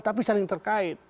tapi saling terkait